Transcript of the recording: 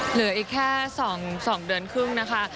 เหลืออีกแค่๒เดือน๕นะคะ